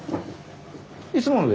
いつもので？